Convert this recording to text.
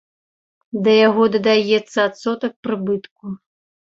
Да яго дадаецца адсотак прыбытку.